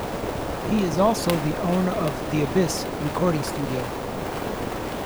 He is also the owner of "The Abyss" recording studio.